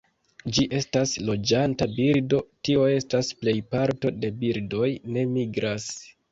Ĝi estas loĝanta birdo, tio estas, plej parto de birdoj ne migras.